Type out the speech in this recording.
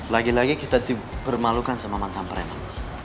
lagi lagi kita dipermalukan sama makam preman